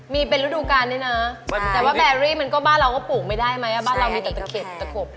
มีเป็นฤดูการด้วยนะแต่ว่าแบรี่มันก็บ้านเราก็ปลูกไม่ได้ไหมบ้านเรามีแต่ตะเข็บตะขบ